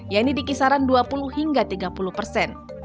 yaitu dikisaran dua puluh hingga tiga puluh persen